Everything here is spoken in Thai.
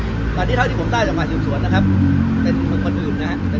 ตอนนี้เท่าที่ผมได้จากฝ่ายสืบสวนนะครับเป็นคนอื่นนะครับ